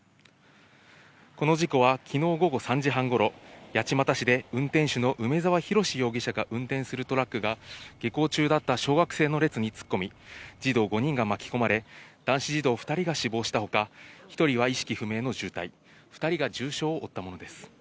この事故は、きのう午後３時半ごろ、八街市で運転手の梅沢洋容疑者が運転するトラックが、下校中だった小学生の列に突っ込み、児童５人が巻き込まれ、男子児童２人が死亡したほか、１人は意識不明の重体、２人が重傷を負ったものです。